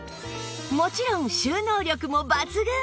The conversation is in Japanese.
もちろん収納力も抜群！